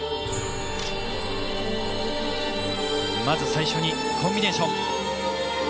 まず最初にコンビネーション。